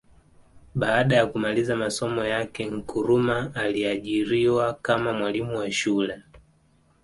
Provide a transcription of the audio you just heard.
Baada ya kumaliza masomo yake Nkrumah aliajiriwa kama mwalimu wa shule